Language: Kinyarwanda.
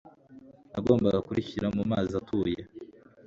ntagomba kurishyira mu mazi yatuye